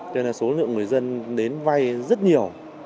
cho nên là số lượng người dân đến vay rất nhiều